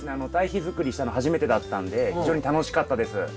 堆肥づくりしたの初めてだったんで非常に楽しかったです。